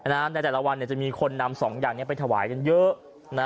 ในแต่ละวันจะมีคนนำสองอย่างนี้ไปถวายกันเยอะนะ